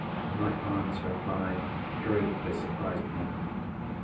My aunt's reply greatly surprised me.